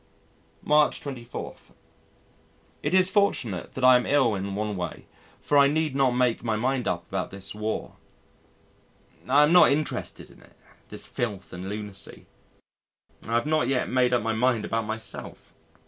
March 24. It is fortunate I am ill in one way for I need not make my mind up about this War. I am not interested in it this filth and lunacy. I have not yet made up my mind about myself.